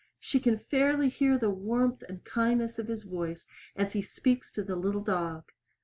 She can fairly hear the warmth and kindness of his voice as he speaks to the little dog.